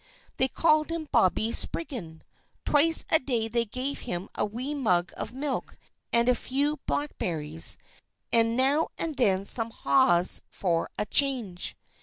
They called him Bobby Spriggan. Twice a day they gave him a wee mug of milk and a few blackberries, and now and then some haws for a change.